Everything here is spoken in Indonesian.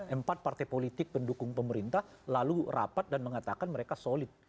empat partai politik pendukung pemerintah lalu rapat dan mengatakan mereka solid